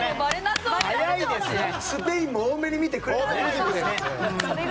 スペインも多めに見てくれる。